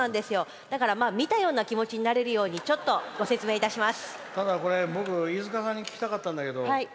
だから見たような気持ちになれるようにご説明します。